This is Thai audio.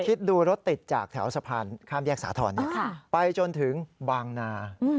คิดดูรถติดจากแถวสะพานข้ามแยกสาธรณ์ไปจนถึงบางนา